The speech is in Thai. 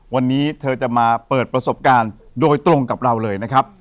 วันนี้เธอจะมาเปิดประสบการณ์โดยตรงกับเราเลยนะครับ